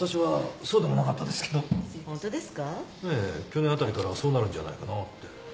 去年あたりからそうなるんじゃないかなって。